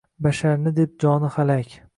Basharni deb joni halak